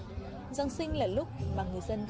giáng sinh là lúc mà người dân khắp đất